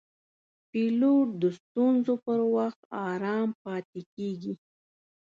پیلوټ د ستونزو پر وخت آرام پاتې کېږي.